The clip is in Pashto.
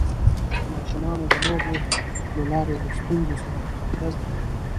ماشومان د لوبو له لارې له ستونزو سره مقابله زده کوي.